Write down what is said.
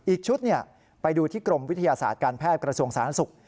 อีกชุดไปดูที่กรมวิทยาศาสตร์การแพทย์กระทรวงสาธารณสุข